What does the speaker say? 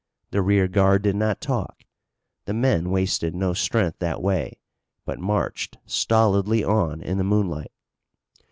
The rear guard did not talk. The men wasted no strength that way, but marched stolidly on in the moonlight.